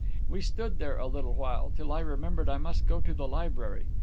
"We stood there a little while, till I remembered I must go to the library.